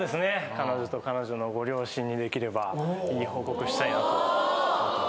彼女と彼女のご両親にできればいい報告したいなと思ってます。